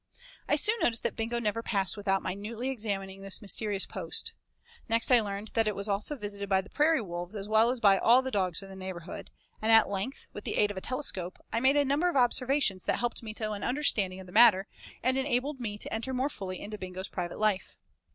I soon noticed that Bingo never passed without minutely examining this mysterious post. Next I learned that it was also visited by the prairie wolves as well as by all the dogs in the neighborhood, and at length, with the aid of a telescope, I made a number of observations that helped me to an understanding of the matter and enabled me to enter more fully into Bingo's private life.